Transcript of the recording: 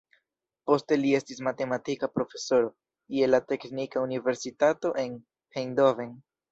Poste li estis matematika profesoro je la teknika universitato en Eindhoven.